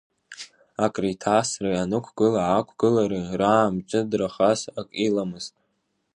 Акреиҭарсреи анықәгыла-аақәгылареи раамҷыдрахаз, ак иламызт.